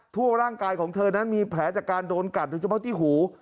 ทั่วร่างกายของเธอนั้นมีแผลจากการโดนกัดโดยเฉพาะที่หู